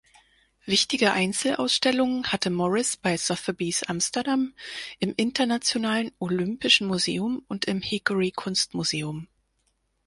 Wichtige Einzelausstellungen hatte Morris bei Sotheby’s-Amsterdam, im Internationalen Olympischen Museum und im Hickory Kunst-Museum.